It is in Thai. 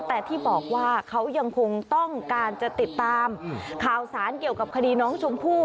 แต่ที่บอกว่าเขายังคงต้องการจะติดตามข่าวสารเกี่ยวกับคดีน้องชมพู่